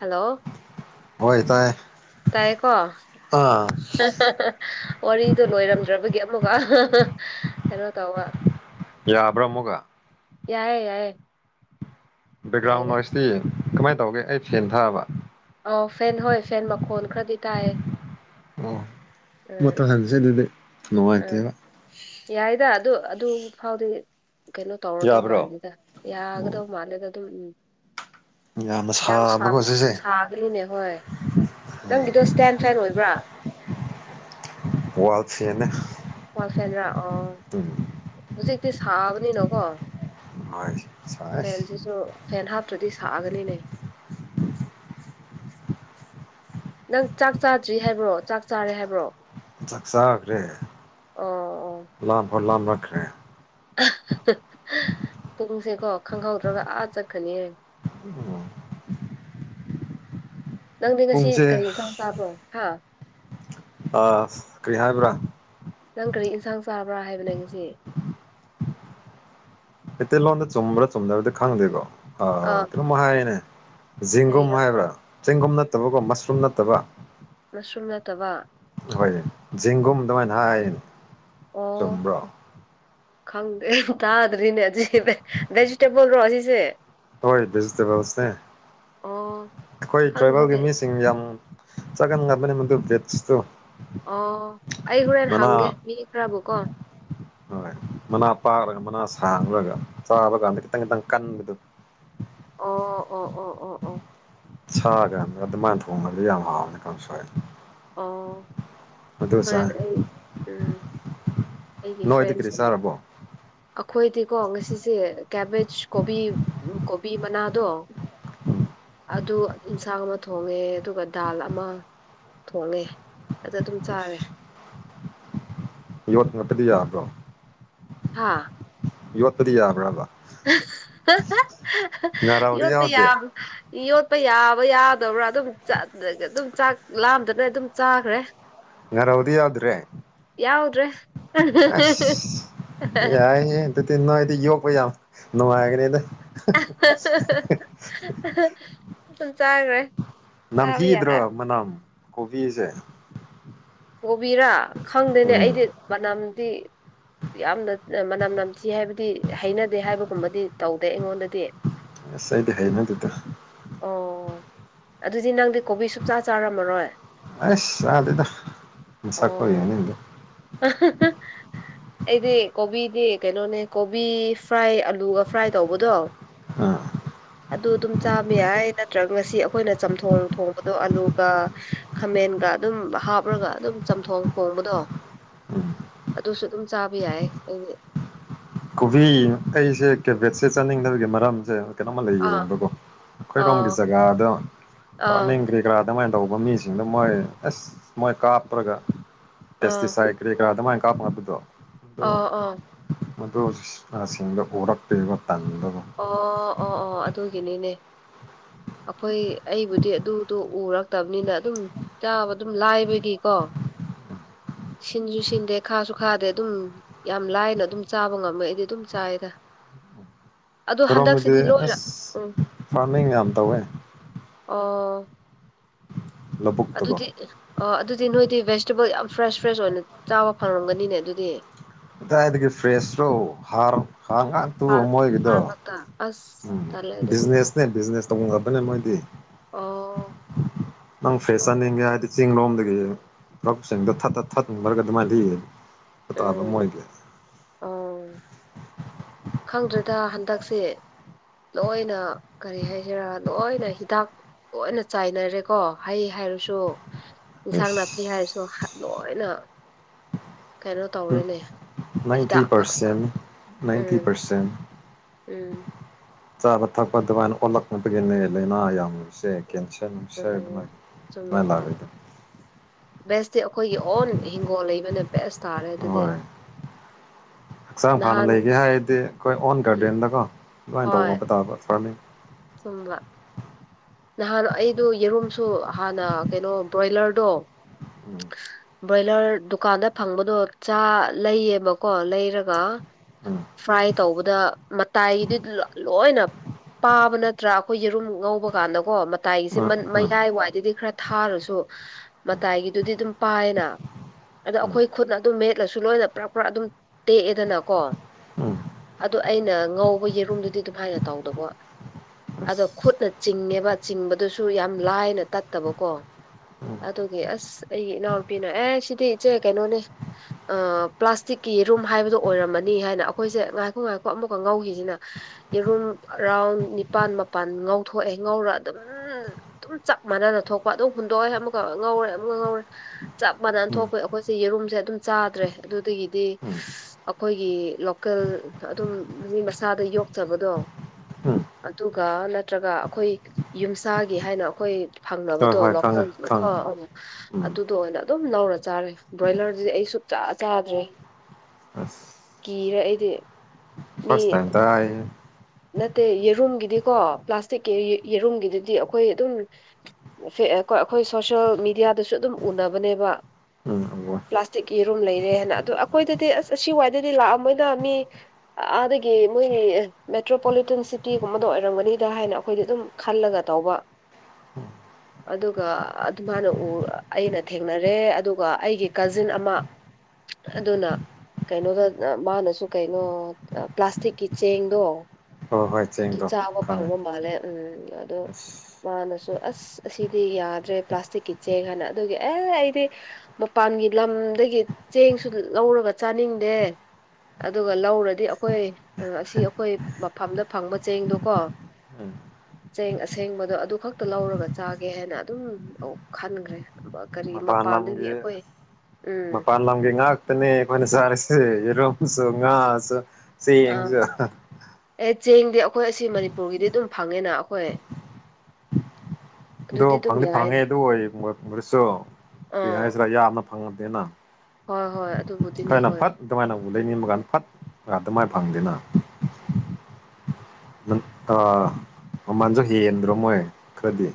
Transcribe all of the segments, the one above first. Hello ꯍꯣꯏ ꯇꯥꯏ ꯇꯥꯏꯌꯦ ꯀꯣ ꯑꯥ ꯋꯥꯔꯤꯗꯣ ꯂꯣꯏꯔꯝꯗ꯭ꯔꯕꯒꯤ ꯑꯃꯨꯛꯒ ꯀꯩꯅꯣ ꯇꯧꯕ ꯌꯥꯕ꯭ꯔꯥ ꯑꯃꯨꯛꯒ ꯌꯥꯏꯌꯦ ꯌꯥꯏꯌꯦ ꯕꯦꯛꯒ꯭ꯔꯥꯎ ꯌꯥꯏꯗ ꯅꯣꯟꯁꯇꯤ ꯀꯃꯥꯏꯅ ꯇꯧꯒꯦ ꯑꯩ ꯐꯦꯟ ꯊꯥꯕ ꯑꯧ ꯐꯦꯟ ꯍꯣꯏ ꯐꯦꯟ ꯃꯈꯣꯟ ꯈꯔꯗꯤ ꯇꯥꯏꯌꯦ ꯑꯣ ꯎꯝ ꯃꯨꯊꯥꯠ ꯍꯥꯜꯁꯦ ꯑꯗꯨꯗꯤ ꯎꯝ ꯅꯨꯡꯉꯥꯏꯇꯦꯕ ꯌꯥꯏꯗ ꯑꯗꯨ ꯑꯗꯨ ꯐꯥꯎꯗꯤ ꯀꯩꯅꯣ ꯇꯧꯔꯗꯧ ꯌꯥꯕ꯭ꯔꯣ ꯃꯥꯜꯂꯦꯗ ꯌꯥꯒꯗꯧ ꯃꯥꯜꯂꯦꯗ ꯑꯗꯨꯝ ꯎꯝ ꯌꯥꯝꯅ ꯌꯥꯝ ꯁꯥ ꯁꯥꯕꯀꯣ ꯁꯤꯁꯦ ꯁꯥ ꯑꯗꯨꯅꯤꯅꯦ ꯍꯣꯏ ꯅꯪꯒꯤꯗꯣ ꯁꯇꯦꯟ ꯐꯦꯟ ꯑꯣꯏꯕ꯭ꯔꯥ ꯋꯥꯜ ꯐꯦꯟꯅꯦ ꯋꯥꯜ ꯐꯦꯟ꯭ꯔꯥ ꯑꯣ ꯎꯝ ꯍꯧꯖꯤꯛꯇꯤ ꯁꯥꯕꯅꯤꯅꯀꯣ ꯍꯣꯢ ꯁꯥꯢ ꯅꯠꯇꯔꯗꯤ ꯁꯥꯒꯅꯤꯅꯦ ꯅꯪ ꯆꯥꯛ ꯆꯥꯗ꯭ꯔꯤ ꯍꯥꯏꯕ꯭ꯔꯣ ꯆꯥꯛ ꯆꯥꯔꯦ ꯍꯥꯏꯕ꯭ꯔꯣ ꯆꯥꯛ ꯆꯥꯈ꯭ꯔꯦ ꯑꯣ ꯑꯣ ꯂꯥꯝꯕꯨ ꯂꯝꯂꯛꯈꯔꯧ ꯄꯨꯡꯁꯦꯀꯣ ꯈꯪꯍꯧꯗ꯭ꯔꯒ ꯑꯥ ꯆꯠꯀꯅꯤ ꯑꯣꯝ [inaudible] ꯅꯪꯗꯤ ꯉꯁꯤ ꯄꯨꯡꯁꯦ ꯀꯔꯤ ꯌꯦꯟꯁꯥꯡ ꯆꯥꯕ꯭ꯔꯣ ꯍꯥ ꯑꯁ ꯀ꯭ꯔꯤ ꯍꯥꯏꯕ꯭ꯔꯥ ꯅꯪ ꯀꯔꯤ ꯏꯟꯁꯥꯡ ꯆꯥꯕ꯭ꯔꯥ ꯍꯥꯏꯕꯅꯦ ꯉꯁꯤ ꯃꯩꯇꯩꯂꯣꯟꯣꯟꯗ ꯆꯨꯝꯕ꯭ꯔꯥ ꯆꯨꯝꯗ꯭ꯔꯗꯤ ꯈꯪꯗ꯭ꯦꯀꯣ ꯑ ꯑꯥ ꯀꯩꯅꯝ ꯍꯥꯏꯅꯦ ꯆꯦꯡꯒꯨꯝ ꯀꯔꯤꯔꯣ ꯍꯥꯏꯕ꯭ꯔꯥ ꯆꯦꯡꯒꯨꯝ ꯅꯠꯇꯕꯀꯣ ꯃꯁꯔꯨꯝ ꯅꯠꯇꯕ꯫ ꯃꯁ꯭ꯔꯨꯝ ꯅꯠꯇꯕ꯫ ꯍꯣꯏ ꯖꯤꯡꯒꯨꯝ ꯑꯗꯨꯃꯥꯏꯅ ꯍꯥꯏꯅꯦ ꯎꯝ꯫ ꯆꯨꯝꯕ꯭ꯔꯣ ꯈꯪꯗꯦ ꯇꯥꯗ꯭ꯔꯤꯅꯦꯖꯤ ꯚꯦꯖꯤꯇꯦꯕꯜꯔꯣ ꯑꯁꯤꯁꯦ ꯍꯣꯏ ꯚꯦꯒꯤꯇꯦꯕꯜꯁꯅꯦ꯫ ꯑꯣ꯫ ꯑꯩꯈꯣꯏ ꯇ꯭ꯔꯥꯏꯕꯦꯜꯒꯤ ꯈꯪꯗꯦꯅꯦ ꯃꯤꯁꯤꯡ ꯌꯥꯝ ꯆꯥꯒꯟꯒꯕꯅꯤ ꯃꯗꯨ ꯚꯦꯁꯇꯨ꯫ ꯑꯣ ꯑꯩ ꯍꯣꯔꯦꯟ ꯍꯪꯒꯦ ꯃꯤ ꯈꯔꯕꯨꯀꯣ꯫ ꯍꯣꯏ ꯃꯅꯥ ꯄꯥꯔꯒ ꯃꯅꯥ ꯁꯥꯡꯉꯔꯒ ꯆꯥꯕ ꯀꯥꯟꯗ ꯈꯤꯇꯪ ꯈꯤꯇꯪ ꯀꯟꯕꯗꯨ꯫ ꯑꯣ ꯑꯣ ꯑꯣ ꯑꯣ ꯑꯣ꯫ ꯁꯥꯒꯥ ꯑꯗꯨꯃꯥꯏꯅ ꯊꯣꯡꯕꯗꯤ ꯌꯥꯝ ꯍꯥꯎꯕꯅꯤ ꯀꯥꯡꯁꯣꯏ꯫ ꯑꯣ ꯑꯗꯨ ꯍꯣꯔꯦꯟ ꯆꯥꯏ ꯑꯩ ꯎꯝ ꯑꯩꯒꯤ ꯅꯣꯏꯗꯤ ꯀꯔꯤ ꯐ꯭ꯔꯦꯟꯁꯤꯡꯕꯨ ꯆꯥꯔꯕꯣ꯫ ꯑꯩꯈꯣꯏꯗꯤꯀꯣ ꯉꯁꯤꯁꯦ ꯀꯦꯕꯦꯖ ꯀꯣꯕꯤ꯫ ꯎꯝ ꯀꯣꯕꯤ ꯃꯅꯥꯗꯣ ꯑꯗꯨ ꯏꯟꯁꯥꯡ ꯑꯃ ꯊꯣꯡꯉꯦ ꯑꯗꯨꯒ ꯗꯥꯜ ꯑꯃ ꯊꯣꯡꯉꯦ ꯑꯗ ꯑꯗꯨꯝ ꯆꯥꯔꯦ ꯌꯣꯠ ꯉꯛꯇꯗꯤ ꯌꯥꯕ꯭ꯔꯣ ꯍꯥꯥ꯫ ꯌꯣꯠꯄꯗꯤ ꯌꯥꯕ꯭ꯔꯥꯕ꯫ [unintelligible] ꯉꯥꯔꯧꯗꯤ ꯌꯣꯇꯄ ꯌꯥ ꯌꯥꯎꯗꯦ ꯌꯣꯠꯄ ꯌꯥꯕ ꯌꯥꯗꯕ꯭ꯔꯥ ꯑꯗꯨꯝ [unintelligible] ꯑꯗꯨꯝ ꯆꯥꯛ ꯂꯥꯝꯗꯅ ꯑꯗꯨꯝ ꯆꯥꯈ꯭ꯔꯦ ꯉꯥꯔꯧꯗꯤ ꯌꯥꯎꯗ꯭ꯔꯦ ꯌꯥꯎꯗ꯭ꯔꯦ ꯑꯁ ꯌꯥꯏꯍꯦ ꯗꯨꯗꯤ ꯅꯣꯏꯗꯤ ꯌꯣꯛꯄ ꯌꯥꯝ ꯅꯨꯡꯉꯥꯏꯒꯅꯤꯗ꯫ [unintelligible] ꯁꯨꯝ ꯆꯥꯈ꯭ꯔꯦ ꯆꯥꯕ ꯌꯥꯔ ꯅꯝꯊꯤꯗ꯭ꯔꯣ ꯃꯅꯝ ꯀꯣꯕꯤꯁꯦ꯫ ꯀꯣꯕꯤꯔꯥ ꯈꯪꯗꯦꯅꯦ ꯎꯝ ꯑꯩꯗꯤ ꯃꯅꯝꯗꯤ꯫ ꯌꯥꯝꯅ ꯃꯅꯝ ꯅꯝꯊꯤ ꯍꯥꯏꯕꯗꯤ ꯍꯩꯅꯗꯦ ꯍꯥꯏꯕꯒꯨꯝꯕꯗꯤ ꯇꯧꯗꯦ ꯑꯩꯉꯣꯟꯗꯗꯤ ꯑꯁ ꯑꯩꯗꯤ ꯍꯩꯏꯅꯗꯦꯗ꯫ ꯑꯣ ꯑꯗꯨꯗꯤ ꯅꯪꯗꯤ ꯀꯣꯕꯤ ꯁꯨꯛꯆꯥ ꯆꯥꯔꯝꯃꯔꯣꯏ꯫ ꯑꯁ ꯆꯥꯗꯦꯗ ꯃꯁꯛ ꯐꯥꯎ ꯑꯣ ꯌꯦꯡꯅꯤꯡꯗꯦ꯫ [unintelligible] ꯑꯩꯗꯤ ꯀꯣꯕꯤꯗꯤ ꯀꯩꯅꯣꯅꯦ ꯀꯣꯕꯤ ꯐ꯭ꯔꯥꯏ ꯑꯂꯨꯒ ꯐ꯭ꯔꯥꯏ ꯇꯧꯕꯗꯣ꯫ ꯑꯥ꯫ ꯑꯗꯨ ꯑꯗꯨꯝ ꯆꯥꯕ ꯌꯥꯏ ꯅꯠꯇ꯭ꯔꯒ ꯉꯁꯤ ꯑꯩꯈꯣꯏꯅ ꯆꯝꯊꯣꯡ ꯊꯣꯡꯕꯗꯣ ꯑꯂꯨꯒ ꯈꯃꯦꯟꯒ ꯑꯗꯨꯝ ꯍꯥꯞ ꯄ꯭ꯔꯒ ꯑꯗꯨꯝ ꯆꯝꯊꯣꯡ ꯊꯣꯡꯕꯗꯣ ꯎꯝ ꯑꯗꯨꯁꯨ ꯑꯗꯨꯝ ꯆꯥꯕ ꯌꯥꯏ ꯑꯩꯗꯤ ꯀꯣꯕꯤ ꯑꯩꯁꯦ ꯀꯦꯕꯦꯠꯁꯦ ꯆꯥꯅꯤꯡꯗꯕꯒꯤ ꯃꯔꯝꯁꯦ ꯀꯩꯅꯣꯃ ꯑꯥ ꯂꯩꯌꯦꯕꯀꯣ ꯑꯩꯈꯣꯏꯔꯣꯝꯒꯤ ꯑꯥ ꯖꯒꯥꯗ ꯑꯥ ꯐꯥꯔꯃꯤꯡ ꯒ꯭ꯔꯥꯗ ꯑꯗꯨꯃꯥꯏ ꯇꯧꯕ ꯃꯤꯁꯤꯡꯗꯣ ꯃꯣꯏ ꯑꯁ ꯃꯣꯏ ꯀꯥꯞꯄ꯭ꯔꯒ ꯑꯥ ꯄꯦꯁꯇꯤꯁꯥꯏꯠ ꯀꯔꯤ ꯀꯔꯥ ꯑꯗꯨꯃꯥꯏꯅ ꯀꯥꯞꯄ ꯉꯄꯗꯣ ꯑꯣ ꯑꯣ ꯃꯗꯨ ꯑ ꯁꯤꯡꯗ ꯎꯔꯛꯄꯒꯤꯀꯣ ꯇꯟꯕꯀꯣ ꯑꯣ ꯑꯣ ꯑꯣ ꯑꯗꯨꯒꯤꯅꯤꯅꯦ꯫ ꯑꯩꯈꯣꯏ ꯑꯩꯕꯨꯗꯤ ꯑꯗꯨꯗꯣ ꯎꯔꯛꯇꯕꯅꯤꯅ ꯑꯗꯨꯝ ꯆꯥꯕ ꯑꯗꯨꯝ ꯂꯥꯏꯕꯒꯤꯀꯣ꯫ ꯁꯤꯟꯁꯨ ꯁꯤꯟꯗꯦ ꯈꯥꯁꯨ ꯈꯥꯗꯦ ꯑꯗꯨꯝ ꯌꯥꯝ ꯂꯥꯏꯅ ꯑꯗꯨꯝ ꯆꯥꯕ ꯉꯝꯕꯩ ꯑꯩꯗꯤ ꯑꯗꯨꯝ ꯆꯥꯏꯗ ꯑꯗꯣ ꯈꯣꯏꯔꯣꯝꯗꯗꯤ ꯍꯟꯗꯛꯁꯤꯗꯤ ꯂꯣꯏꯔ ꯑꯁ ꯎꯝ ꯐꯥꯔꯃꯤꯡ ꯌꯥꯝ ꯇꯧꯋꯦ ꯑꯣ ꯂꯧꯕꯨꯛꯇꯀꯣ ꯑꯗꯨꯗꯤ ꯑ ꯑꯗꯨꯗꯤ ꯅꯣꯏꯗꯤ ꯚꯦꯖꯤꯇꯦꯕꯜ ꯌꯥꯝ ꯐ꯭ꯔꯦꯁ ꯐ꯭ꯔꯦꯁ ꯑꯣꯏꯅ ꯆꯥꯕ ꯐꯪꯔꯝꯒꯅꯤꯅꯦ ꯑꯗꯨꯗꯤ ꯑꯗꯨꯗꯥꯏꯗꯒꯤ ꯐ꯭ꯔꯦꯁ꯭ꯔꯣ ꯍꯥꯥꯡ ꯍꯥꯡꯉꯥꯛꯇꯨ ꯍꯥꯔ ꯃꯣꯏꯒꯤꯗꯣ ꯍꯥꯔ ꯉꯥꯛꯇ ꯑꯁ ꯇꯥꯟꯂꯦ ꯑꯗꯨꯗꯤ ꯕꯤꯅꯦꯁ ꯇꯧꯕ ꯉꯛꯇꯅꯦ ꯃꯣꯏꯗꯤ ꯑꯣ ꯅꯪ ꯑꯣ ꯐꯦꯁꯟ ꯑꯣ ꯆꯅꯤꯡꯉꯦ ꯎꯝ ꯍꯥꯏꯗꯤ [unintelligible] ꯑꯣ ꯈꯪꯗ꯭ꯔꯦꯗ ꯍꯟꯗꯛꯁꯦ ꯂꯣꯏꯅ ꯀꯔꯤ ꯍꯥꯏꯁꯤꯔꯥ ꯂꯣꯏꯅ ꯍꯤꯗꯥꯛ ꯂꯣꯏꯅ ꯆꯥꯏꯅꯔꯦꯀꯣ ꯍꯩ ꯍꯥꯏꯔꯁꯨ ꯏꯟꯁꯥꯡ ꯅꯥꯄꯤ ꯍꯥꯏꯔꯁꯨ ꯑꯩꯁ ꯂꯣꯏꯅ ꯀꯩꯅꯣ ꯇꯧꯔꯦꯅꯦ ꯅꯥꯏꯟꯇꯤ ꯍꯤꯗꯥꯛ ꯉꯥꯛꯇ ꯄꯥꯔꯁꯦꯟ ꯎꯝ [inaudible] ꯎꯝ ꯆꯥꯕ ꯊꯛꯄ ꯑꯗꯨꯃꯥꯏꯅ ꯑꯣꯜꯂꯛꯅꯕꯒꯤꯅꯦ ꯂꯥꯏꯅꯥ ꯌꯥꯝꯃꯤꯁꯦ ꯎꯝ ꯆꯨꯝꯃꯦꯀꯣ [unintelligible] ꯕꯦꯁꯇꯤ ꯑꯩꯈꯣꯏꯒꯤ ꯑꯣꯟ ꯍꯤꯡꯒꯣꯜ ꯂꯩꯕꯅ ꯕꯦꯁ ꯇꯥꯔꯦ ꯑꯗꯨꯗꯤ ꯍꯣꯏ ꯍꯛꯆꯥꯡ ꯐꯅ ꯅꯍꯥꯟ ꯂꯩꯒꯦ ꯍꯥꯏꯔꯗꯤ ꯑꯩꯈꯣꯏ ꯑꯣꯟ ꯎꯝ ꯒꯥꯔꯗꯦꯟꯗꯀꯣ ꯑꯗꯨꯃꯥꯏꯅ ꯍꯣꯏ ꯇꯧꯕ ꯇꯥꯕ ꯐꯥꯔꯃꯤꯡ [inaudible] ꯅꯍꯥꯟ ꯑꯩꯗꯨ ꯌꯦꯔꯨꯝꯁꯨ ꯍꯥꯟꯅ ꯀꯩꯅꯣ ꯕ꯭ꯔꯣꯏꯂꯔꯗꯣ ꯎꯝ ꯕ꯭ꯔꯣꯏꯂꯔ ꯗꯨꯀꯥꯟꯗ ꯐꯪꯕꯗꯣ ꯆꯥ ꯂꯩꯌꯦꯕꯀꯣ ꯂꯩꯔꯒ ꯎꯝ [inaudible] ꯇꯧꯕꯗ ꯃꯇꯥꯏꯗꯨ ꯂꯣꯏ ꯂꯣꯢꯅ ꯄꯥꯕ ꯅꯠꯇ꯭ꯔꯥ ꯑꯩꯈꯣꯏ ꯌꯦꯔꯨꯝ ꯉꯧꯕ ꯇꯧꯀꯥꯟꯗ ꯀꯣ ꯃꯇꯥꯏꯒꯤꯁꯤ ꯎꯝ ꯃꯌꯥꯏ ꯋꯥꯏꯗꯗꯤ ꯈꯔ ꯊꯥꯔꯁꯨ ꯃꯇꯥꯏꯒꯤꯗꯨꯗꯤ ꯑꯗꯨꯝ ꯄꯥꯏꯌꯦꯅ ꯑꯗꯣ ꯎꯝ ꯑꯩꯈꯣꯏ ꯈꯨꯠꯅ ꯑꯗꯨꯝ ꯃꯦꯠ ꯑꯁꯨ ꯂꯣꯏꯅ ꯄ꯭ꯥꯔꯞ ꯄ꯭ꯥꯔꯞ ꯑꯗꯨꯝ ꯇꯦꯛꯑꯦꯗꯅ ꯀꯣ [inaudible] ꯑꯗꯣ ꯑꯩꯅ ꯉꯧꯕ ꯌꯦꯔꯨꯝꯗꯨꯗꯤ ꯑꯗꯨꯝꯃꯥꯏꯅ ꯇꯧꯗꯕ ꯑꯗꯣ ꯈꯨꯠꯅ ꯆꯤꯡꯉꯦꯕ ꯆꯤꯡꯕꯗꯨꯁꯨ ꯌꯥꯝ ꯂꯥꯏꯅ ꯇꯠꯇꯕꯀꯣ ꯑꯗꯨꯒꯤ ꯑꯁ ꯑꯩꯒꯤ ꯏꯅꯥꯎꯅꯨꯄꯤꯅ ꯑꯦ ꯁꯤꯗꯤ ꯏꯆꯦ ꯀꯩꯅꯣꯅꯦ ꯑ ꯄ꯭ꯂꯥꯁꯇꯤꯛꯀꯤ ꯌꯦꯔꯨꯝ ꯍꯥꯏꯕꯗꯣ ꯑꯣꯏꯔꯝꯃꯅꯤ ꯍꯥꯏꯅ ꯑꯩꯈꯣꯏꯁꯦ ꯉꯥꯏꯈꯣ ꯉꯥꯏꯈꯣ ꯑꯃꯨꯛꯀ ꯉꯧꯈꯤꯁꯤꯅ ꯌꯦꯔꯨꯝ ꯑꯔꯥꯎꯟ ꯅꯤꯄꯥꯜ ꯃꯄꯜ ꯉꯧꯊꯣꯛꯑꯦ ꯉꯧꯔ ꯑꯗꯨꯝ ꯑꯗꯨꯝ ꯆꯞ ꯃꯥꯟꯅꯅ ꯊꯣꯛꯄ ꯑꯗꯨꯝ ꯍꯨꯟꯗꯣꯛꯑꯦ ꯑꯃꯨꯛꯀ ꯉꯧꯔꯦ ꯑꯃꯨꯛꯀ ꯉꯧꯔꯦ ꯆꯞ ꯃꯥꯟꯅꯅ ꯎꯝ ꯊꯣꯛꯄ ꯑꯩꯈꯣꯏꯁꯦ ꯌꯦꯔꯨꯝꯁꯦ ꯑꯗꯨꯝ ꯆꯥꯗ꯭ꯔꯦ ꯑꯗꯨꯗꯒꯤꯗꯤ ꯎꯝ ꯑꯩꯈꯣꯏꯒꯤ ꯂꯣꯀꯦꯜ ꯑꯗꯨꯝ ꯃꯤ ꯃꯁꯥꯗ ꯌꯣꯛꯆꯕꯗꯣ ꯎꯝ ꯑꯗꯨꯒ ꯅꯠꯇ꯭ꯔꯒ ꯑꯩꯈꯣꯏ ꯌꯨꯝꯁꯥꯒꯤ ꯍꯥꯏꯅ ꯑꯩꯈꯣꯏ ꯍꯣꯏ ꯐꯪꯂꯕꯗꯣ ꯍꯣꯏ ꯈꯪꯉꯦ ꯂꯣꯀꯦꯜ ꯈꯪꯉꯦ ꯀꯣ ꯎꯝ ꯑꯗꯨꯗꯨ ꯑꯣꯏꯅ ꯑꯗꯨꯝ ꯂꯧꯔ ꯆꯥꯔꯦ ꯕ꯭ꯔꯣꯏꯂꯔꯖꯤꯗꯤ ꯑꯩ ꯁꯨꯡꯆꯥ ꯆꯥꯗ꯭ꯔꯦ [inaudible] ꯀꯤꯔꯦ ꯑꯩꯗꯤ ꯃꯤ ꯐꯁ ꯇꯥꯏꯝ ꯇꯌꯦ ꯅꯠꯇꯦ ꯌꯦꯔꯨꯝꯒꯤꯗꯤꯀꯣ ꯄ꯭ꯂꯥꯁꯇꯤꯛꯀꯤ ꯌꯦꯔꯨꯝꯒꯤꯗꯨꯗꯤ ꯑꯩꯈꯣꯏ ꯑꯗꯨꯝ ꯑꯩꯈꯣꯏ ꯁꯣꯁꯦꯜ ꯃꯦꯗꯤꯌꯥꯗꯁꯨ ꯑꯗꯨꯝ ꯎꯅꯕꯅꯦꯕ ꯎꯝ ꯎꯨꯏꯋꯦ ꯄ꯭ꯂꯥꯁꯇꯤꯛꯀꯤ ꯌꯦꯔꯨꯝ ꯂꯩꯔꯦ ꯍꯥꯏꯅ ꯑꯗꯨ ꯑꯩꯈꯣꯏꯗꯗꯤ ꯑꯁ ꯑꯁꯤ ꯋꯥꯏꯗꯗꯤ ꯂꯥꯛꯑꯃꯣꯏꯗ ꯃꯤ ꯑꯗꯒꯤ ꯃꯣꯏ ꯃꯦꯇ꯭ꯔꯣꯄꯣꯂꯤꯇꯟ ꯁꯤꯇꯤꯒꯨꯝꯕꯗꯣ ꯑꯣꯏꯔꯝꯒꯅꯤꯗ ꯍꯥꯏꯅ ꯑꯩꯈꯣꯏꯗꯤ ꯑꯗꯨꯝ ꯈꯜꯂꯒ ꯇꯧꯕ [inaudible] ꯑꯗꯨꯒ ꯑꯗꯨꯃꯅ ꯑꯩꯅ ꯊꯦꯡꯅꯔꯦ ꯑꯗꯨꯒ ꯑꯩꯒꯤ ꯀꯖꯤꯟ ꯑꯃ ꯑꯗꯨꯅ ꯀꯩꯅꯣꯗ ꯑ ꯃꯥꯅꯁꯨ ꯀꯩꯅꯣ ꯄ꯭ꯂꯥꯁꯇꯤꯛꯀꯤ ꯆꯦꯡꯗꯣ ꯍꯣꯏ ꯆꯦꯡꯗꯣ ꯆꯥꯕ ꯈꯪꯉꯦ ꯐꯪꯕ ꯃꯥꯜꯂꯦ ꯎꯝ ꯑꯗꯣ ꯑꯁ ꯃꯥꯅꯁꯨ ꯑꯁ ꯑꯁꯤꯗꯤ ꯌꯥꯗ꯭ꯔꯦ ꯄ꯭ꯂꯥꯁꯇꯤꯛꯀꯤ ꯆꯦꯡ ꯍꯥꯏꯅ ꯑꯗꯨꯒꯤ ꯑꯦ ꯑꯩꯗꯤ__ ꯃꯄꯥꯟꯒꯤ ꯂꯝꯗꯒꯤ ꯆꯦꯡꯁꯨ ꯂꯧꯔꯒ ꯆꯥꯅꯤꯡꯗꯦ꯫ ꯑꯗꯨꯒ ꯂꯧꯔꯗꯤ ꯑꯩꯈꯣꯏ ꯑꯁꯤ ꯑꯩꯈꯣꯏ__ ꯃꯐꯝꯗ ꯐꯪꯕ ꯆꯦꯡꯗꯣꯀꯣ꯫ ꯎꯝ ꯆꯦꯡ ꯑꯁꯦꯡꯕꯗꯣ ꯑꯗꯨ ꯈꯛꯇ ꯂꯧꯔꯒ ꯆꯥꯒꯦ ꯍꯥꯏꯅ ꯑꯗꯨꯝ ꯈꯟꯈ꯭ꯔꯦ꯫ ꯀꯔꯤ ꯃꯄꯥꯟ ꯃꯄꯥꯟꯗꯒꯤ ꯂꯝꯒꯤ ꯑꯩꯈꯣꯏ ꯎꯝ ꯃꯄꯥꯟ ꯂꯝꯒꯤ ꯉꯥꯛ__ ꯅꯦ ꯈꯣꯏꯅ ꯆꯥꯔꯦꯁꯦ ꯔꯣꯝꯁꯨ ꯉꯥꯁꯨ꯫ ꯑꯥ ꯆꯦꯡꯁꯨ ꯑꯦ ꯆꯦꯡꯗꯤ ꯑꯩꯈꯣꯏ ꯑꯁꯤ ꯃꯅꯤꯄꯨꯔꯒꯤꯗꯤ ꯑꯗꯨꯝ ꯐꯪꯉꯦꯅ ꯑꯩꯈꯣꯏ꯫ ꯑꯗꯣ ꯑꯗꯨꯗꯤ ꯑꯗꯨꯝ ꯐꯪꯗꯤ ꯐꯪꯉꯦ ꯌꯥꯏꯅ ꯑꯗꯨ ꯑꯣꯏꯁꯨ ꯀꯔꯤ ꯑꯥ ꯍꯥꯏꯁꯤ꯭ꯔꯥ ꯌꯥꯝꯅ ꯐꯪꯉꯝꯗꯦꯅ꯫ ꯍꯣꯏ ꯍꯣꯏ ꯑꯗꯨꯕꯨꯗꯤꯅꯦ ꯈꯔꯅ ꯍꯣꯏ ꯐꯠ ꯑꯗꯨꯃꯥꯏꯅ ꯎ ꯂꯩꯅꯤꯕ ꯀꯥꯟꯗ ꯐꯠ ꯑꯗꯨꯃꯥꯏꯅ ꯐꯪꯗꯦꯅ ꯑ ꯃꯃꯜꯁꯨ ꯍꯦꯟꯗ꯭ꯔꯣ ꯃꯣꯏ ꯈꯔꯗꯤ꯫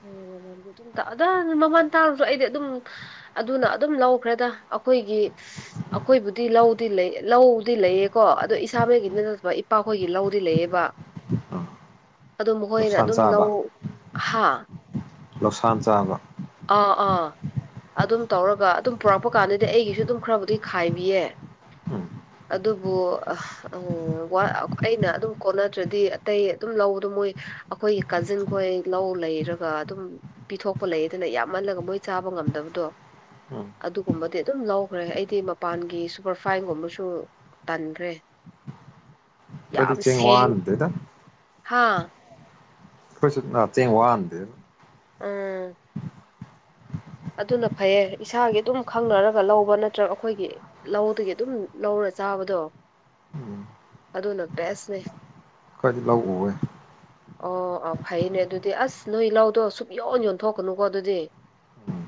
ꯎꯝ ꯍ ꯑꯗꯨꯝ ꯑꯗ ꯃꯃꯜ ꯇꯥꯡꯁꯨ ꯑꯩꯗꯤ ꯑꯗꯨꯝ__ ꯑꯗꯨꯅ ꯑꯗꯨꯝ ꯂꯧꯈ꯭ꯔꯦꯗ ꯑꯩꯈꯣꯏꯒꯤ꯫ ꯑꯩꯈꯣꯏꯕꯨꯗꯤ ꯂꯧꯗꯤ ꯂꯩ ꯂꯧꯗꯤ ꯂꯩꯌꯦꯀꯣ ꯑꯗꯣ ꯏꯁꯥꯃꯛꯒꯤ ꯅꯠꯇ__ ꯄꯥꯈꯣꯏꯒꯤ ꯂꯧꯗꯤ ꯂꯩꯌꯦꯕ꯫ ꯎꯝ ꯑꯗꯨ ꯃꯈꯣꯏꯅ ꯂꯧꯁꯥꯟ ꯑꯗꯨꯝ ꯆꯥꯕ ꯂꯧ ꯍꯥ__ ꯂꯧꯁꯥꯟ ꯆꯥꯕ꯫ ꯑꯥ ꯑꯥ ꯑꯗꯨꯝ ꯇꯧꯔꯒ ꯑꯗꯨꯝ ꯄꯨꯔꯛꯄ ꯀꯥꯟꯗꯗꯤ ꯑꯩꯒꯤꯁꯨ ꯑꯗꯨꯝ ꯈꯔꯕꯨꯗꯤ ꯈꯥꯏꯕꯤꯌꯦ꯫ ꯎꯝ ꯑꯗꯨꯕꯨ ꯑ꯫ ꯎꯝ ꯋꯥ ꯑꯩꯅ ꯑꯗꯨꯝ ꯀꯣꯟꯅꯗ꯭ꯔꯗꯤ ꯑꯇꯩ ꯑꯗꯨꯝ ꯂꯧꯕꯗꯣ ꯃꯣꯏ__ ꯑꯩꯈꯣꯏꯒꯤ ꯀꯥꯖꯤꯟꯈꯣꯏ ꯂꯧ ꯂꯩꯔꯒ ꯑꯗꯨꯝ ꯄꯤꯊꯣꯛꯄ ꯂꯩꯔ꯫ ꯑꯗꯨꯅ ꯌꯥꯝꯃꯜꯂꯒ ꯃꯣꯏ ꯆꯥꯕ ꯉꯝꯗꯕꯗꯣ꯫ ꯎꯝ ꯑꯗꯨꯒꯨꯝꯕꯗꯤ ꯑꯗꯨꯝ ꯂꯧꯈ꯭ꯔꯦ ꯑꯩꯗꯤ ꯃꯄꯥꯟꯒꯤ ꯁꯨꯄꯔ ꯐꯥꯏꯟꯒꯨꯝꯕꯁꯨ__ ꯇꯟꯈ꯭ꯔꯦ ꯈꯔꯗꯤ ꯌꯥꯝ ꯆꯦꯡ ꯁꯦꯡꯉ ꯋꯥꯍꯟꯗꯦꯗ ꯍꯥ ꯑꯩꯈꯣꯏꯁꯨ ꯆꯦꯡ ꯋꯥꯟꯗꯦ꯫ ꯎꯝ꯫ ꯑꯗꯨꯅ ꯐꯩꯌꯦ ꯏꯁꯥꯒꯤ ꯑꯗꯨꯝ ꯈꯪꯅꯔꯒ ꯂꯧꯕ ꯅꯠꯇ꯭ꯔꯒ ꯑꯩꯈꯣꯏꯒꯤ__ ꯂꯧꯗꯒꯤ ꯑꯗꯨꯝ ꯂꯧꯔ ꯆꯥꯕꯗꯣ꯫ ꯎꯝ ꯑꯗꯨꯅ ꯕꯦꯁꯅꯦ꯫ ꯈꯈꯋꯥꯏꯗꯤ ꯂꯧ ꯎꯋꯦ꯫ ꯑꯣ ꯑꯥ ꯐꯩꯅꯦ ꯑꯗꯨꯗꯤ ꯑꯁ ꯅꯣꯏ ꯂꯧꯗꯣ ꯁꯨꯡꯛ ꯌꯣꯟ ꯌꯣꯟꯊꯣꯛꯀꯅꯨꯀꯣ ꯑꯗꯨꯗꯤ꯫ ꯎꯝ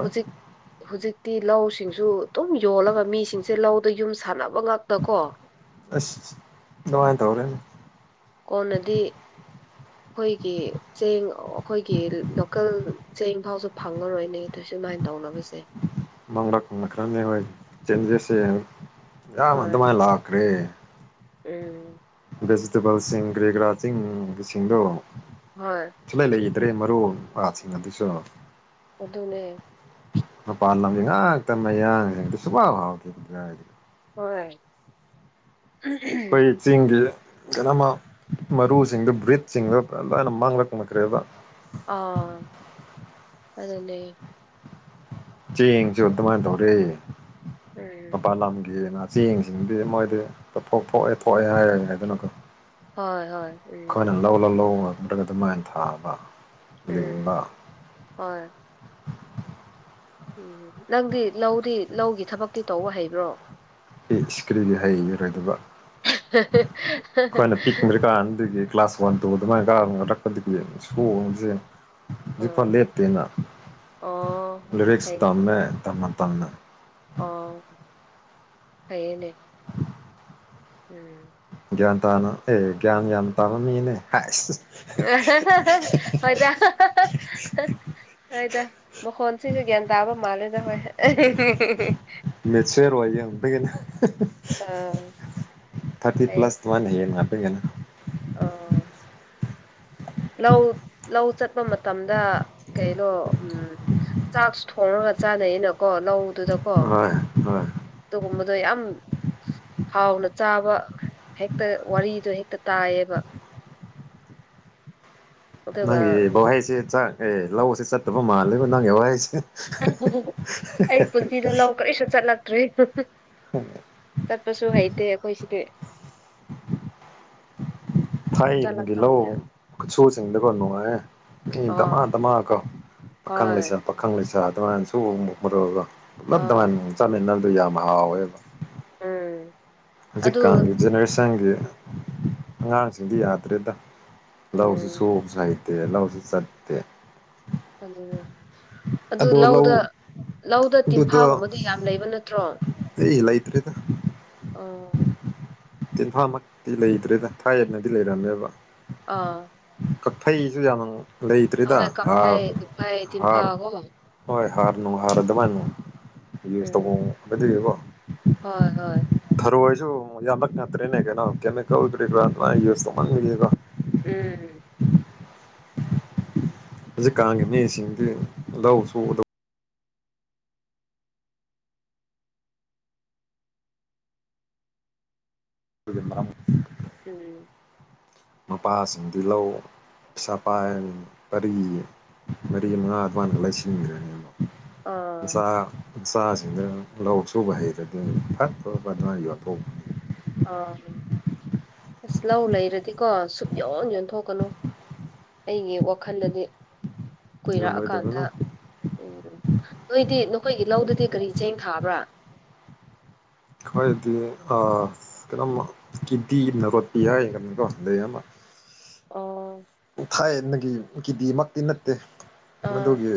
ꯍꯧꯖꯤꯛ ꯍꯧꯖꯤꯛꯇꯤ ꯂꯧꯁꯤꯡꯁꯨ ꯑꯗꯨꯝ ꯌꯣꯜꯂꯒ ꯃꯤꯁꯤꯡꯁꯦ ꯂꯧꯗ ꯌꯨꯝ ꯁꯥꯟꯅꯕ ꯉꯇ ꯀꯣ꯫ ꯑꯁ ꯅꯉꯥꯏ ꯇꯧꯔꯦꯅꯦ꯫ ꯀꯣꯟꯅꯗꯤ__ ꯑꯩꯈꯣꯏꯒꯤ ꯆꯦꯡ ꯑꯩꯈꯣꯏꯒꯤ ꯂꯣꯀꯦꯜ꯫ ꯆꯦꯡ ꯐꯥꯎꯁꯨ ꯐꯪꯉꯔꯣꯏꯅꯦ ꯑꯗꯨꯗ ꯁꯨꯃꯥꯏꯅ ꯇꯧꯅꯕꯁꯦ꯫ ꯃꯥꯡꯗꯛꯅꯛꯈ꯭ꯔꯅꯦ ꯍꯣꯏ ꯆꯦꯟꯖꯦꯁꯁꯦ ꯌꯥꯝ ꯍꯣꯏ ꯑꯗꯨꯃꯥꯏꯅ ꯂꯥꯛꯈ꯭ꯔꯦ꯫ ꯎꯝ ꯚꯦꯖꯤꯇꯦꯕꯜꯁꯤꯡ ꯭ꯔꯦꯒ꯭ꯔꯥ ꯆꯤꯡꯁꯤꯡꯗꯣ ꯍꯣꯏ ꯁꯨꯂꯩ ꯂꯩꯈꯤꯗ꯭ꯔꯦ ꯃꯔꯨꯞꯁꯤꯡ ꯑꯗꯨꯁꯨ ꯑꯥꯗꯨꯅꯦ ꯃꯄꯥꯟ ꯂꯝꯁ ꯉꯥꯏꯥꯛꯇ ꯃꯌꯥꯡ ꯉꯛꯇ ꯁꯨꯐ ꯐꯥꯎꯈꯤꯗꯤ ꯍꯣꯏ꯫ ꯑꯩꯈꯣꯏ ꯆꯤꯡꯒꯤ ꯅꯃ ꯃꯔꯨꯁꯤꯡꯗ ꯕ꯭ꯔꯤꯖꯁꯤꯡꯗ ꯂꯣꯏꯅ ꯃꯥꯡꯂꯛꯅꯈ꯭ꯔꯦꯗ ꯑꯥ ꯑꯗꯨꯗꯅꯦ ꯆꯦꯡꯁꯨ ꯑꯗꯨꯃꯥꯏꯅ ꯇꯧꯔꯦ ꯎꯝ ꯃꯄꯥꯥꯟ ꯂꯝꯒꯦꯅ ꯆꯦꯡꯁꯤꯡꯗꯤ ꯃꯣꯏꯗꯤ ꯇꯞꯊꯣꯛ ꯊꯣꯛꯑꯦ ꯊꯣꯛꯑꯦ ꯍꯥꯏꯔꯦ ꯍꯥꯏꯗꯅꯀꯣ ꯍꯣꯏ ꯍꯣꯏ ꯎꯝ ꯂꯧ ꯂꯧ ꯂ ꯉꯗ꯭ꯔꯒ ꯑꯗꯨ ꯃꯥꯏꯅ ꯊꯥꯕ ꯎꯝ ꯂꯤꯡꯕ ꯍꯣꯏ ꯎꯝ ꯅꯪꯗꯤ ꯂꯧꯗꯤ ꯂꯧꯒꯤ ꯊꯕꯛꯇꯤ ꯇꯧꯕ ꯍꯩꯕ꯭ꯔꯣ ꯏꯁꯀ꯭ꯔꯤꯒꯤ ꯍꯩꯔꯣꯏꯗꯕ ꯑꯩꯈꯣꯏꯅ ꯄꯤꯛꯈ꯭ꯔꯀꯥꯟꯗꯨꯒꯤ ꯀ꯭ꯂꯥꯁ ꯐꯣꯟ ꯇꯣ ꯑꯗꯨꯃꯥꯏꯅꯒꯥꯔ ꯉꯂꯛꯄꯗꯒꯤ ꯁꯣꯡꯁꯦ ꯖꯤꯄꯥ ꯎꯝ ꯂꯦꯞꯇꯦꯅ ꯑꯣ ꯂꯔꯤꯛꯁ ꯇꯝꯃꯦ ꯇꯝꯃ ꯇꯝꯃꯦ ꯑꯥ ꯍꯌꯦꯅꯦ ꯎꯝ ꯒ꯭ꯌꯥꯟ ꯇꯥꯅ ꯑꯦ ꯒꯌꯥꯟ ꯭ꯌꯥꯅ ꯇꯥꯅ ꯃꯤꯅꯦ ꯈꯔ [unintelligible] ꯑꯩꯗ ꯃꯈꯣꯟꯁꯤꯁꯨ ꯒ꯭ꯌꯥꯟ ꯇꯥꯕ ꯃꯥꯜꯂꯦꯗ ꯍꯣꯏ ꯃꯦꯠꯁꯁꯨ ꯑꯦ ꯔꯣꯏꯩ ꯀꯅ ꯑꯥ ꯊꯔꯇꯤ ꯄ꯭ꯂꯁ ꯃꯃꯅꯌꯦꯅꯅꯥ ꯄꯄꯤꯒꯅ ꯑ ꯂꯧ ꯂꯧ ꯆꯠꯄ ꯃꯇꯝꯗ ꯀꯩꯅꯣ ꯎꯝ ꯆꯥꯛꯁꯨ ꯊꯣꯡꯉꯒ ꯆꯥꯅꯩꯅꯀꯣ ꯂꯧꯗꯨꯗꯀꯣ ꯍꯣꯏ ꯍꯣꯏ ꯑꯗꯨꯒꯨꯝꯕꯗꯣ ꯌꯥꯝ ꯍꯥꯎꯅ ꯆꯥꯕ ꯍꯦꯛꯇ ꯋꯥꯔꯤꯗꯣ ꯍꯦꯛꯇ ꯇꯥꯏꯌꯦꯕ ꯑꯗꯨꯒ ꯅꯪꯒꯤ ꯕꯍꯩꯁꯦ ꯆꯥꯛ ꯑꯦ ꯂꯧꯁꯦ ꯆꯠꯇꯕ ꯃꯥꯜꯂꯦꯕ ꯅꯪꯒꯤ ꯋꯥꯍꯩꯁꯦ ꯍ ꯑꯩ ꯄꯨꯟꯁꯤꯗ ꯂꯧ ꯀꯔꯤꯁꯨ ꯆꯠꯂ ꯔꯤ ꯆꯠꯄꯁꯨ ꯍꯩꯇꯦ ꯑꯩꯈꯣꯏ ꯁꯤꯗꯤ [unintelligible] ꯊꯥꯏꯅꯒꯤ ꯂ ꯆꯠꯂꯛꯇꯕꯅꯤꯅ ꯈꯨ ꯁꯨꯁꯤꯡꯗꯀꯣ ꯅꯨꯡꯉꯥꯏ ꯏ ꯇꯃ ꯑꯥ ꯇꯃ ꯀꯣ ꯍꯣꯏ ꯈꯪꯂꯤꯁꯥ ꯑꯗꯨꯃꯥꯏꯅꯁꯨ ꯑꯃꯨꯛ ꯃꯔꯨꯔꯒ ꯄꯨꯂꯞ ꯑꯥ ꯑꯗꯨꯃꯥꯏꯅ ꯆꯠꯃꯤꯟꯅꯕꯗꯣ ꯌꯥꯝ ꯍꯥꯎꯋꯦꯕ ꯎꯝ ꯑꯗꯨ ꯍꯧꯖꯤꯛꯀꯥꯟꯒꯤ ꯖꯦꯅꯦꯔꯦꯁꯟꯒꯤ ꯑꯉꯥꯡꯁꯤꯡꯗꯤ ꯌꯥꯗ꯭ꯔꯦꯗ ꯂꯧꯁꯤ ꯎꯝ ꯁꯨꯕꯁꯨ ꯍꯩꯇꯦ ꯂꯧꯁꯤ ꯆꯠꯇꯦ ꯑꯗꯨ ꯑꯗꯣ ꯂꯧ ꯂꯧꯗ ꯂꯧꯗ ꯇꯤꯟꯐꯥꯒꯨꯝꯕꯗꯨ ꯌꯥꯝ ꯂꯩꯕ ꯅꯠꯇ꯭ꯔꯣ ꯑꯦ ꯏꯂꯇ꯭ꯔꯦꯗ ꯑꯣ ꯇꯤꯟꯐꯥꯃꯛꯇꯤ ꯂꯩꯇ꯭ꯔꯦꯗ ꯊꯥꯌꯦꯅꯗꯤ ꯂꯩꯔꯝꯃꯦꯕ ꯑꯥ ꯀꯊꯩꯁꯨ ꯌꯥꯝꯅ ꯂꯩꯇ꯭ꯔꯤꯗ ꯑꯍꯣꯏ ꯍꯥꯔ ꯀꯐꯩ ꯀꯐꯩ ꯍꯥꯔ ꯇꯤꯟꯐꯥꯀꯣ ꯍꯣꯏ ꯍꯥꯔꯅꯅꯨꯡ ꯍꯥꯔ ꯑꯗꯨꯃꯅꯣ ꯌꯨꯁ ꯎꯝ ꯇꯧꯐꯝꯒꯗꯣꯏꯔꯤꯕꯀꯣ ꯍꯣꯏ ꯍꯣꯏ ꯊꯔꯨ ꯍꯁꯨ ꯌꯥꯝꯂꯛ ꯉꯠꯇ꯭ꯔꯤꯅꯦ ꯀꯩꯅꯣ ꯀꯦꯃꯤꯀꯦꯜ ꯑꯣꯏꯗ꯭ꯔꯤꯕ꯭ꯔꯥ ꯑꯗꯨꯃꯥꯏ ꯌꯨꯁ ꯇꯧꯍꯟꯈꯤꯒ꯭ꯔ ꯎꯝ ꯎꯝ ꯍꯧꯖꯤꯛ ꯀꯥꯡꯒꯤ ꯃꯤꯁꯤꯡꯗꯤ ꯂꯧꯧꯁꯨꯧ ꯕꯤꯃꯔꯝ ꯎꯝ ꯃꯄꯥꯁꯤꯡ ꯇꯤꯜꯍꯧ ꯄꯁꯥ ꯄꯥꯏ ꯄꯔꯤ ꯃꯔꯤ ꯃꯉꯥ ꯑꯗꯨꯃꯥꯏꯗ ꯂꯩꯁꯤꯟꯈ꯭ꯔꯅꯦꯗꯣ ꯑꯥ ꯃꯆꯥ ꯃꯆꯥꯁꯤꯡꯅ ꯂꯧ ꯁꯨꯕ ꯍꯩꯔꯗꯤ ꯐꯠ ꯐꯨꯛꯂꯛꯄ ꯑꯗꯨꯃꯥꯏ ꯌꯣꯟꯊꯣꯛ ꯑꯁ ꯂꯧ ꯂꯩꯔꯗꯤꯀꯣ ꯁꯨꯛꯌꯣꯟ ꯌꯣꯟꯊꯣꯛꯀꯅꯨ ꯑꯩꯒꯤ ꯋꯥꯈꯜꯗꯗꯤ ꯀꯨꯏꯔꯛꯑꯀꯥꯟꯗ ꯌꯣꯜꯂꯣꯏꯗꯕꯅ ꯎꯝ ꯅꯣꯏꯗꯤ ꯅꯈꯣꯏꯒꯤ ꯂꯧꯗꯨꯗꯤ ꯀꯔꯤ ꯆꯦꯡ ꯊꯥꯕ꯭ꯔꯥ ꯈꯣꯏꯗꯤ ꯑ ꯀꯩꯅꯣꯝ ꯀꯤꯗꯤꯅ ꯔꯣꯄꯤ ꯍꯥꯏ ꯀꯣ ꯂꯩꯌꯦ ꯑꯃ ꯑꯣ ꯊꯥꯏꯅꯒꯤ ꯀꯤꯗꯤꯃꯛꯇꯤ ꯅꯠꯇꯦ ꯑꯥ ꯃꯗꯨꯒꯤ